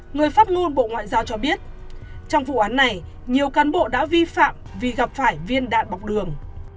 người phát ngôn bộ ngoại giao cho biết trong vụ án này nhiều cán bộ đã vi phạm vì gặp phải viên đạn bọc đường